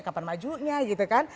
kapan majunya gitu kan